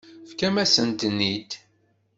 Tefkam-asent-ten-id.